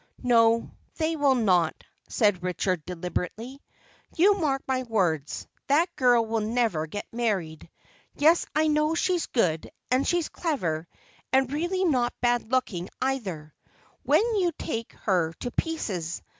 "No, they will not," said Richard deliberately. "You mark my words; that girl will never get married. Yes, I know she's good, and she's clever, and really not bad looking, either, when you take her to pieces.